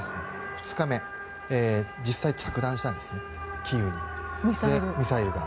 ２日目、実際着弾したんですキーウにミサイルが。